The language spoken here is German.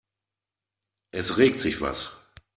Es regt sich was.